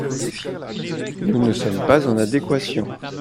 Nous ne sommes pas en adéquation.